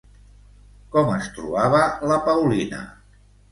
Com es trobava la Paulina?